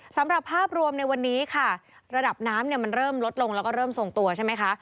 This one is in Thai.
สำหรับภาพรวมในวันนี้ค่ะระดับน้ำเนี่ยมันเริ่มลดลงแล้วก็เริ่มทรงตัวใช่ไหมคะ